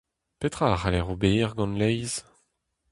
Petra a c'haller ober gant laezh ?